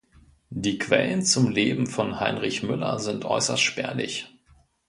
Die Quellen zum Leben von Heinrich Müller sind äußerst spärlich.